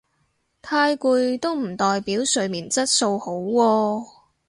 太攰都唔代表睡眠質素好喎